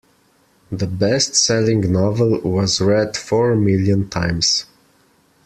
The bestselling novel was read four million times.